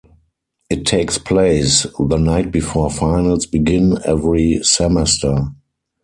It takes place the- night before finals begin every semester.